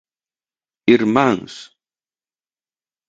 Irmáns!